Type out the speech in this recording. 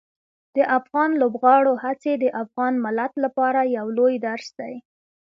د افغان لوبغاړو هڅې د افغان ملت لپاره یو لوی درس دي.